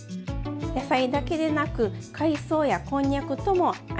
野菜だけでなく海藻やこんにゃくとも相性がいいんですよ。